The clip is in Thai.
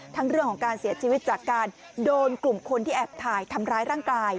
เรื่องของการเสียชีวิตจากการโดนกลุ่มคนที่แอบถ่ายทำร้ายร่างกาย